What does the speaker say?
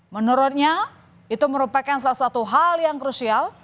menurutnya itu merupakan salah satu hal yang krusial